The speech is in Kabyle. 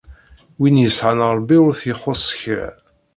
Win yesɛan Rebbi, ur t-ixuṣ kra.